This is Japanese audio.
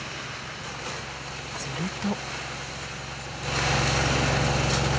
すると。